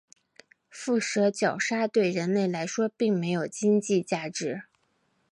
腹蛇角鲨对人类来说并没有经济价值。